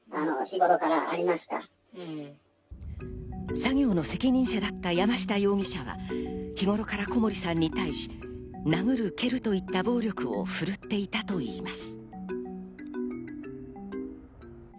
作業の責任者だった山下容疑者は日頃から小森さんに対して、殴る蹴るといった暴力を振るっていたといいます。